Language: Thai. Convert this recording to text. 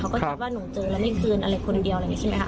เขาก็แทบว่าหนูเจอแล้วนี่คืนคนเดียวอะไรอย่างนี้ใช่ไหม